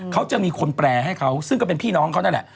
เขาจะมีคนแปลให้เขาซึ่งก็เป็นพี่น้องเขานั่นแหละ